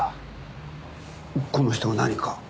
この人が何か？